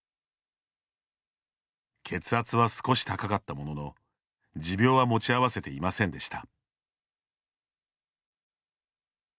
血圧は少し高かったものの持病は持ち合わせていませんでした。